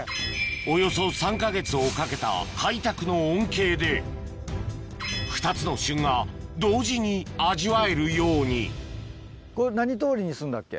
およそ３か月をかけた開拓の恩恵で２つの旬が同時に味わえるようにフルーツ通りです。